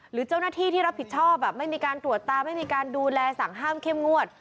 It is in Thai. หรือเจ้าหน้าที่ที่รับผิดชอบไม่มีการตรวจตาไม่มีการดูแลสั่งห้ามเข้มงวด